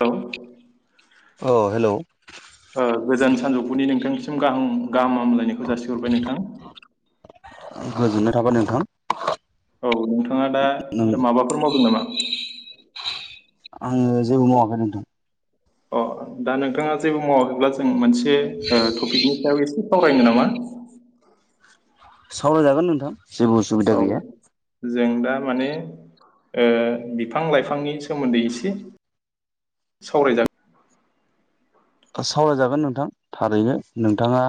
औ औ हेल' ओ गोजोन सानजौफुनि नोंथांनिसिम गाहाम गाहामलायनायखौ जासिहरबाय नोंथां। गोजोननाय थाबाय नोंथां। औ नोंथाङा दा नों माबाफोर मावदों नामा? आङो जेबो मावाखै नोंथां। अ दा नोंथाङा जेबो मावाखैब्ला जों मोनसे टपिकनि एसे सावरायनो नामा? सावरायजागोन नोंथां। जेबो औ उसुबिदा गैया जों दा माने बिफां लाइफांनि सोमोनदै एसे सावरायजागोन सावरायजागोन नोंथां थारैनो नोंथाङा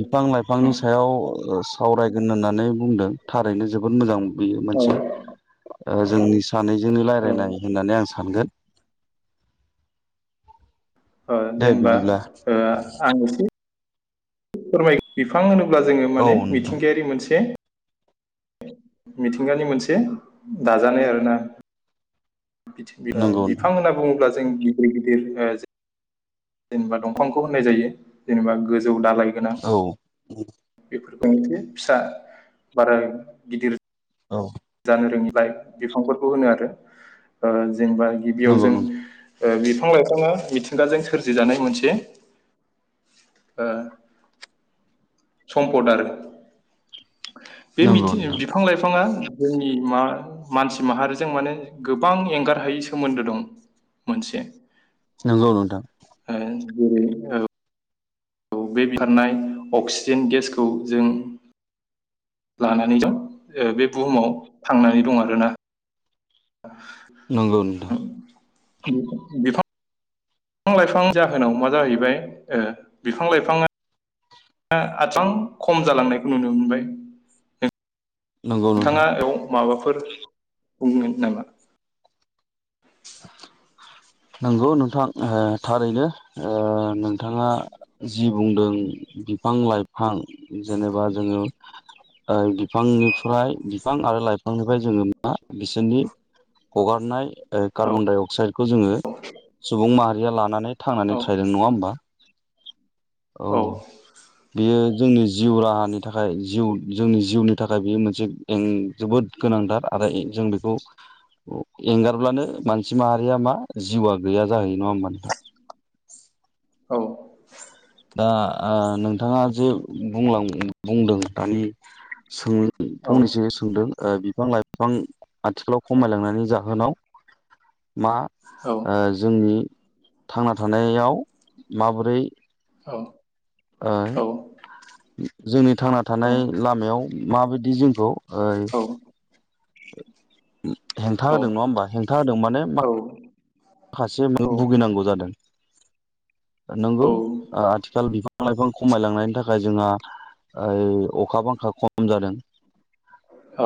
बिफां औ लाइफांनि सायाव सावरायगोन होननानै बुंदों थारैनो जोबोद मोजां। बेयो औ मोनसे ओ जोंनि सानैजोंनो औ रायज्लायनाय होननानै आं सानगोन ओ दे जेनेबा बिदिब्ला ओ आं एसे फोरमाय बिफां होन अब्ला जोङो औ माने नोंथां मिथिंगायारि मोनसे मिथिंगानि मोनसे दाजानाय आर ना बिथिं ओ नंगौ बिफां नोंथां होनना बुङोब्ला ों गिदिर गिदिर जेनेबा दंफांखौ होननाय जायो जेनेबा गो जौ दालाय गोनां औ बेफोरखौनो फिसा बारा गिदिर औ जानो रोङिल बिफांफोरखौ होनो आरो जेनेबा गिबियाव नंगौ जों नंगौ बिफां लाइफाङा मिथिंगाजों सोरजिजानाय मोनसे सम्पद आरो बे नंगौ मिथि नोंथां बिफां लाइफाङा जोंनि मा मानसि माहारिजों माने गोबां एंगार हायै सोमोन्दो दं मोनसे नंगौ नोंथां ै औ औ बे बोखारनाय अक्सिजेन गेसखौ जों लानानै जों बे बुहुमाव थांनानै दं आरोना नंगौ नोंथां औ बेखौ बिफां बिफां लाइफां जाहोनाव मा जाहैबाय बिफां लाइफाङा आ खम जालांनायखौ नुनो मोनबाय नंगौ नोंथां नोंथाङा बेयाव माबा फोर बुंगोन नामा नंगौ नोंथां थारैनो नोंथाङा जि बुंदों बिफां लाइफां जेनेबा जोङो ओ बिफांनिफ्राय बिफां आरो लाइफांनिफ्राय जोङो मा बिसोरनि हगारनाय औ कार्बन डाइ अक्साइदखौ जोङो सुबुं माहारिया लानानै औ थांनानै थादों नङा होम बा औ बेयो जोंनि जिउ राहानि थाखाय जिउ जोंनि जिउनि थाखाय बेयो मोनसे जोबोद गोनांथार आरो जों बेखौ एंगारब्लानो मानसि माहारिया मा जिउआ गैया जाहैयो नङा होमबा नोंथां औ दा आ नोंथाङा जे बुंलां बुंदों दानि सो औ फंनैसो सोंदों ओ बि बिफां लाइफां आथिखालाव खमायलांनानै जाहोनाव मा औ ओ जोंनि थांना थानायाव माबोरै औ ओ जोंनि थांना थानाय लामायाव माबायदि जोंखौ [unintelligible] औ औ हेंथा होदों नङा होमबा हेंथा होदों माने मा? औ माखासे भुगिनांगौ जादों नंगौ औ ओ आथिखाल बिफां लाइफां खमायलांनायनि थाखाय जोंहा ओइ अखा बांखा खम जादों।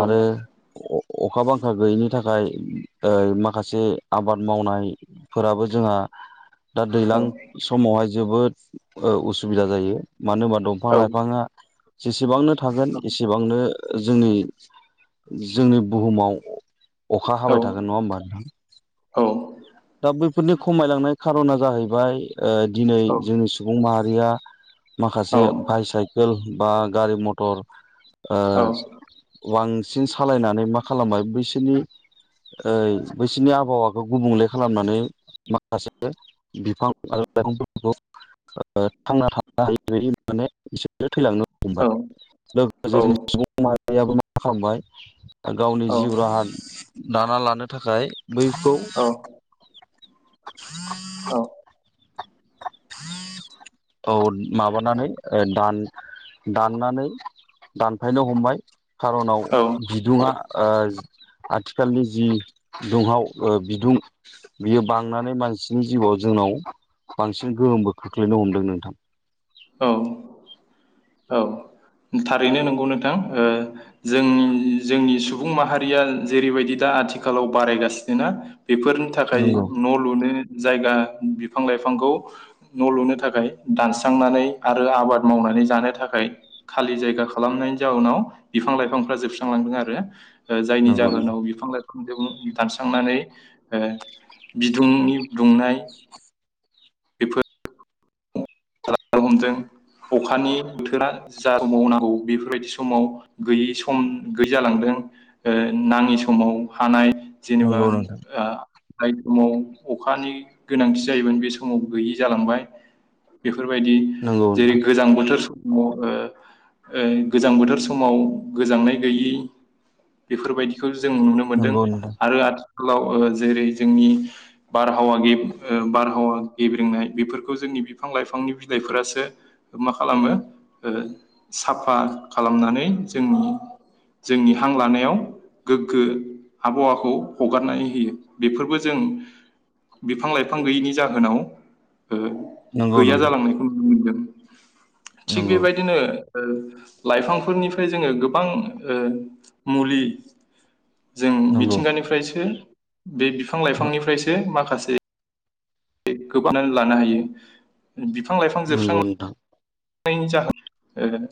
आरो अखा बांखा गैयिनि थाखाय ओ माखासे आबाद मावनाय फोराबो जोंहा दा दैलां समावहाय जोबोद ओ उसुबिदा जायो। मानो होनबा दंफां लाइफाङा जेसेबांनो थागोन औ एसेबांनो जोंनि जोंनि बुहुमाव अखा हाबाय थागोन नङा होमबा नोंथां। औ बैफोरनि खमायलांनाय खारना जाहैबाय ओ दिनै औ जोंनि सुबुं माहा रिया माखासे बायसाइकेल बा गारि मथर आ बांसिन सालायनानै मा खालामबाय बैसोरनि बैसोरनि आबहावाखौ गुबुंलेखा खालामनानै माखासे बिफां आरो लाइगांफोरखौ थांना थानो हायोबायाने एसोरो थैलांनो बाय लोगोसे जों सुबुं बा मा खालामबाय गावनि जिउ राहा दाना लानो थाखाय बैखौ ह औ औ माबानानै दान दाननानै दानफायनो हमबाय खारनाव औ बिदुङा आथिखालनि जि दुंहाव बिदुं बियो बांनानै मानसिनि जिउआव जोंनाव बांसिन गोहोमबो खोख्लैनो हमदों नोंथा। औ औ थारैनो नंगौ नोंथां जोंनि जोंनि सुबुं माहारिया जेरैबायदि दा आथिखालाव बारायगासिनो ना? बेफोरनि थाखाय नंगौ न' लुनो जायगा बिफां लाइफांखौ न' लुनो थाखाय दानस्रांनानै आरो आबाद मावनानै जानो था थाखाय खालि जायगा खालामनायनि जाउनाव बिफां लाइफांफ्रा जोबस्रांलांदों आरो ओ जायनि नंगौ जाहोनाव बिफां लाइ [unintelligible] दानस्रांनानै ओ बिदुंनि दुंनाय बेफोर [unintelligible] हमदों अखानि बोथोरा जा [unintelligible] बेफोरबायदि समाव गैयि सम गैयै जालांदों ओ नाङि समाव हानाय जेनेबा नंगौ नोंथां ओ जाय समाव अखानि गोनांथि जायोमोन बे समाव गैयि जालांबाय बेफोरबायदि नंगौ जेरै नोंथां गोजां बोथोर सौ ग ओ ओ गोजां बोथोर समाव गोजांनाय गैयि बेफोरबायदि खौ जों नुनो मोन्दों नंगौ नोंथां आरो आथ खालाव ओ जेरै जोंनि बारहावा गेब ओ बारहावा गेब्रेंनाय बेफोरखौ जोंनि बि फां लाइफांनि बिलाइफोरासो मा खालामो ओ साफा खालामनानै जोंनि जोंनि हां लानायाव गोग्गो आबहावाखौ हगारनानै होयो बेफोरबो जों बिफां लाइफां गैयैनि जाहोनाव ओ नंगौ गैया नोंथां जालांनायखौ नुनो मोनदों [inaudible] थिग नंगौ बेबायदिनो ओ लाइफांफोरनिफ्राय जोङो गोबां ओ मुलि जों नंगौ मिथिंगानिफ्रायसो बे बिफां लाइफांनिफ्रायसो मा खासे ए गोबाङानो लानो हायो बिफां लाइफां जोबस्रां नंगौ नोंथां नायनि जाहोन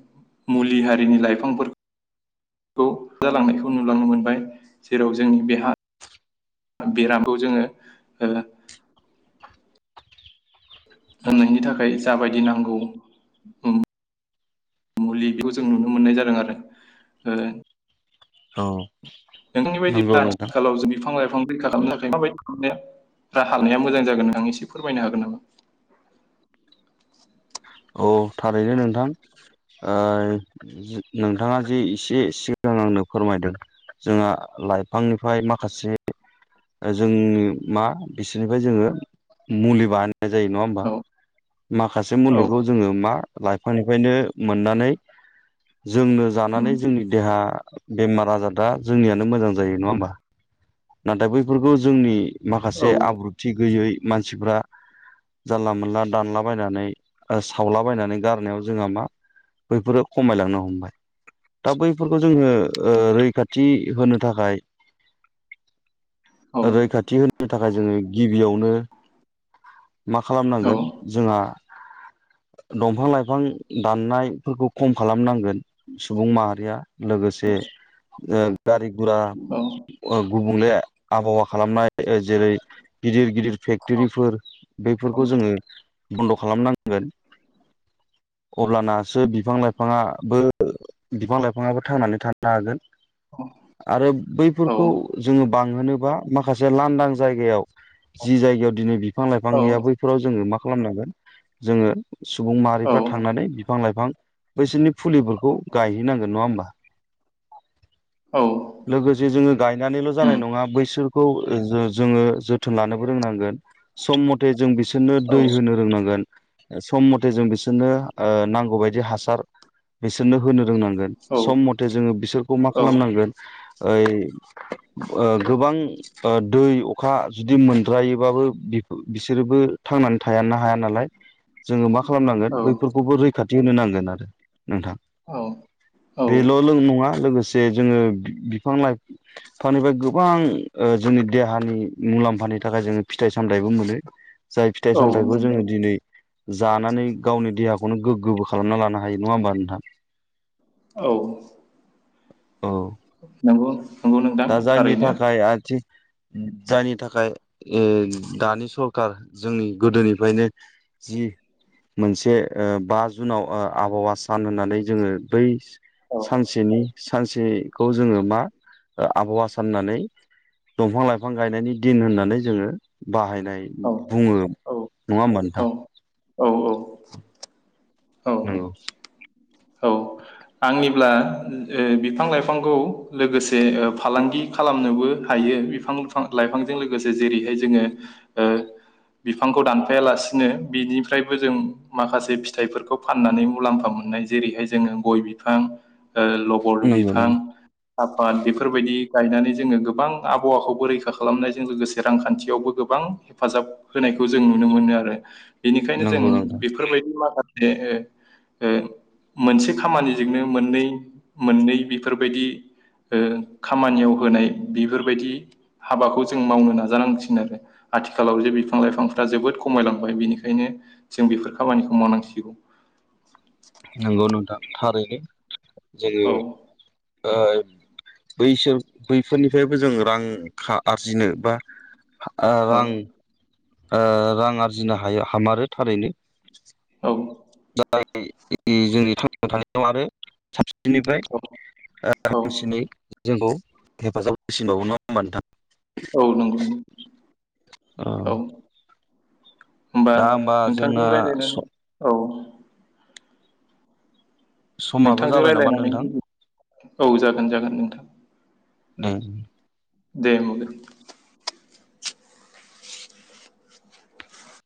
मुलि हारिनि लाइफांफोर खौ जालांनायखौ नुलांनो मोनबाय जेराव जोंनि बे हा बेरामखौ जोङो ओ होननायनि थाखाय जाबायदि नांगौ उम मुलि बेखौ जों नुनो मोननाय जादों आरो ओ औ नोंथांनि नंगौ बायदिब्ला नोंथां आथिखालाव जो बिफां लाइफ फां रैखा खालामनो थाखाय माबायदि खालामनाया राहा लानाया मोजां जागोन नोंथां एसे फोरमायनो हागोन नामा औ थारैनो नोंथां ओ जि नोंथाङा जि एसे सिगां आंनो फोरमायदों जोंहा लाइफांनिफ्राय माखासे जोंनि मा बिसोरनिफ्राय जोङो मुलि बान नाय जायो नङा होनबा औ माखासे औ मुुलि खौ जोङो मा लाइफ फांनिफायनो मोननानै जोंनो जानानै उम जोंनि देहा बेमार आजार दा जोंनियानो मोजां जायो नङा होमबा नाथाय बैफोरखौ जोंनि माखासे औ आब्रुथि गैयै मानसिफ्रा जानला मोनला दानलाबायनानै ओ सावलाबायनानै गारनायाव जोंहा मा बैफोरो खमायलांनो हमबाय दा बैफोरखौ जोङो ओ रैखाथि होनो थाखाय औ रैखाथि होनो थाखाय जोङो गिबियावनो मा खालामनांगोन औ जोंहा दंफां लाइफां दाननायफोरखौ खम खालामनांगोन सुबुं माहारिया। लोगोसे ओ गारि गुरा औ अब गुबुंले आबहावा खालामबाय ओ जेरै गिदिर गिदिर फेक्टेरिफोर बेफोरखौ जोङो बन्द' खालामनां गोन अब्लानासो बिफां लाइफाङाबो बिफां लाइफाङाबो थांनानै थानो हागोन। आरो औ बैफोरखौ जोङो बांहोनो बा माखासे लानदां जायगायाव जि जायगायाव दिनै बि फां लाइफां औ गैया बैफोराव जोङो मा खालामनांगोन जोङो सुबुं औ माहारिफ्रा थांनानै बिफां लाइ फां बैसोरनि फुलिफोरखौ गायहैनांगोन नङा होमबा औ लोगोसे जोङो गायनानैल' उम जानाय नङा बैसोर खौ जोंङो जोथोन लोनोबो रोंनांगोन सम मथे जों बि बिसोरनो औ दै होनो रोंनांगोन सम मथे जों बिसोरनो नांगौ बायदि हासार बिसोरनो होनो रोंनांगौ औ सम मथे जोङो बिसोरखौ मा औ खालामनांगोन गोबां दै अखा जुदि मोनद्रायोबाबो बिसोरोबो थांनानै थायानो हाया नालाय जोङो मा खालाम खालामनांगोन औ बैफोरखौबो रैखाथि नो नांगोन आरो नोंथां बेल' नङा लोगोसे जे जोङो बिफां लाइफ फानहैबाया गोबां ओ जोंनि देहानि मुलाम्फानि थाखाय जोङो फिथाइ सामथायबो मोनो जाय फिथाइ औ सामथायाइखौ जोङो नंगौ दिनै जानानै गावनि देहा बेखौनो गोग्गोबो खालामना लानो हायो नङा होमबा नोंथां औ औ नंगौ नंगौ नोंथां दा जायनि थारैनो थाखाय आथिं जायनि थाखाय दानि सरखार जोंनि गोदोनिफ्रायनो जि मोनसे बा जुनाव आबहावा सान होननानै जोङो बै औ सानसेनि सानसे खौ जोङो मा आबहावा साननानै दंफां लाइफां गायनायनि दिन होननानै जोङो बाहाय औ बुङो औ नङा होमबा नोंथां औ औ औ नंगौ औ आंनिब्ला बिफां लाइफांखौ लोगोसे फालांगि खालामनोबो हायो बिफांफां लाइफांजों लोगोसे जेरैहाय जोङो ओ बिफांखौ दानफायालासिनो बिनिफ्रायबो जों माखासे फिथाइफोरखौ फाननानै मुलाम्फा मोननाय जेरैहाय जोङो गय बिफां ओ लबर नंगौ बिफां नंगौ साफाद बेफोरबायदि गायनानै जोङो गोबां आबहावाखौबो रैखा खालामनायजों लोगोसे रांखान्थियावबो गोबां हेफाजाब होनायखौ जों नुनो मोनो आरो बेनिखायनो जों नंगौ नोंथां बेफोरबायदि माखा मोनसे खामानिजोंनो मोननै मोननै बेफोरबायदि ओ खामानियाव होनाय बेफोरबायदि हाबाखौ जों मावनो नाजानांसिगोन आरो आथिखालाव जे बिफां लाइफांफ्रा जोबोद खमायलांबाय बिनिखायनो जों बेफोर खामानिखौ मावनांसिगौ नोंगौ नोंथां। थारैनो। जोङो औ ओ बैसो बैफोरनिफ्रायबो जों रां खा आरजिनो बा आ औ रां ओ रां आरजिनो हायो हामारो थारैनो। औ [inaudible] जोंनि थांना थानायाव आरो साब निफ्राय औ [inaudible] जोंखौ हेफाजाब होसिनबावो। नङा होमबा नोंथां? औ नंगौ नों औ होमबा दा जोंना नोंथांजों स रायलायनान औ समाबो नोंथांजों जाबाय नामा रायज्लायनानै नोंथां? [unintelligible] औ जागोन जागोन नोंथां। उम दे मोगोन।